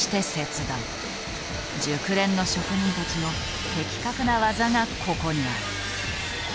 熟練の職人たちの的確な技がここにある。